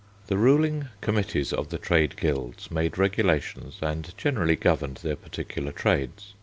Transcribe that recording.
The ruling committees of the trade guilds made regulations and generally governed their particular trades.